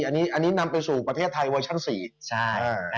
อันนี้อันนี้นำไปสู่ประเทศไทยเวอร์ชั่นสี่ใช่อ่า